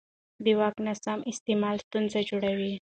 د واک ناسم استعمال ستونزې جوړوي